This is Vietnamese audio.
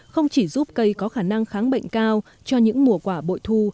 không chỉ giúp cây có khả năng kháng bệnh cao cho những mùa quả bội thu